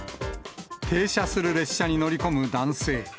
停車する列車に乗り込む男性。